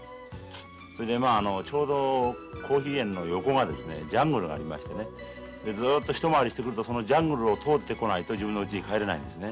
それでまあちょうどコーヒー園の横がジャングルがありましてねずっと一回りしてくるとそのジャングルを通ってこないと自分のうちに帰れないんですね。